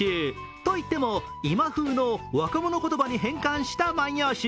といっても今風の若者言葉に変換した「万葉集」。